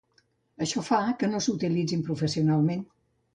Això fa que no s'utilitzin professionalment.